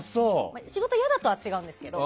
仕事いやだとは違うんですけど。